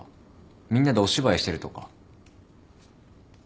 みんなでお芝居してるとか。